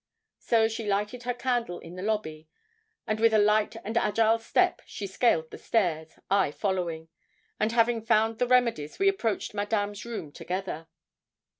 So she lighted her candle in the lobby, and with a light and agile step she scaled the stairs, I following; and having found the remedies, we approached Madame's room together.